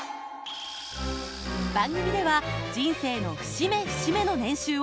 番組では人生の節目節目の年収を随時発表。